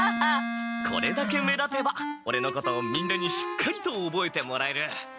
これだけ目立てばオレのことをみんなにしっかりとおぼえてもらえる。